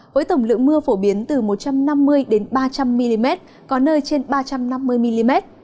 với tổng lượng mưa phổ biến từ một trăm năm mươi ba trăm linh mm có nơi trên ba trăm năm mươi mm